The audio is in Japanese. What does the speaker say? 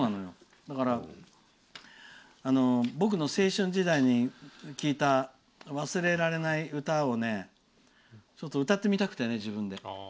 僕の青春時代に聴いた忘れられない歌を歌ってみたくて自分で。